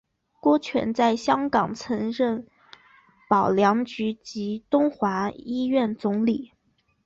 郭泉在香港曾任保良局及东华医院总理。